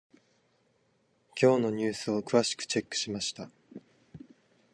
今日のニュースを詳しくチェックしました。